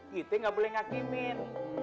gitu gak boleh ngakimin